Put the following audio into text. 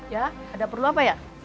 ya ada perlu apa ya